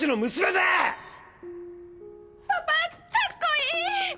パパかっこいい！